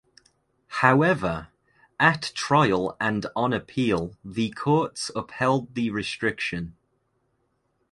However, at trial and on appeal the courts upheld the restriction.